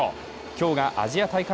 今日がアジア大会